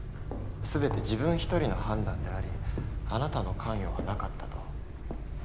全て自分一人の判断でありあなたの関与はなかったと。